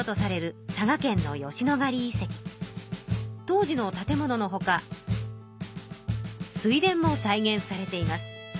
当時の建物のほか水田も再現されています。